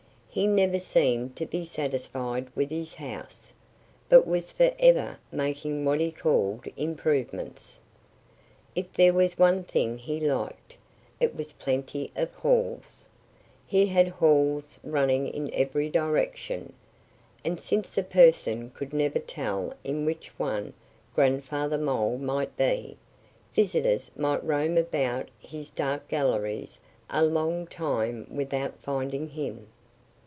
He never seemed to be satisfied with his house, but was forever making what he called "improvements." If there was one thing he liked, it was plenty of halls. He had halls running in every direction. And since a person could never tell in which one Grandfather Mole might be, visitors might roam about his dark galleries a long time without finding him.